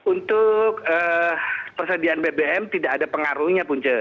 untuk persediaan bbm tidak ada pengaruhnya punca